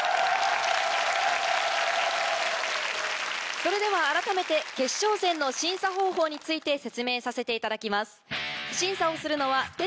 それでは改めて決勝戦の審査方法について説明させていただきます。